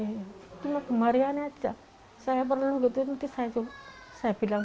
itu kemarin aja saya pernah ikutin nanti saya bilang